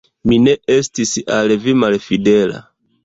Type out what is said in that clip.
Mi ne estis al vi malfidela.